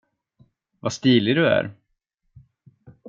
Vad stilig du är.